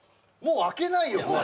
もう開けないよ